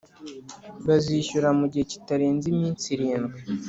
Bazishyura mu gihe kitarenze iminsi irindwi.